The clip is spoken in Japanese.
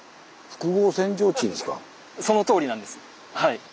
そのとおりなんです。